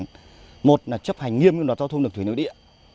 thứ nhất là chấp hành nghiêm ngược đoàn giao thông được thủy nội địa